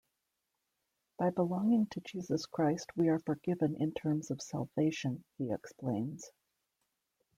"By belonging to Jesus Christ, we are forgiven in terms of salvation," he explains.